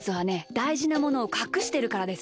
だいじなものをかくしてるからです。